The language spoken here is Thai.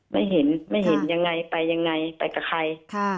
ไม่เห็นไม่เห็นยังไงไปยังไงไปกับใคร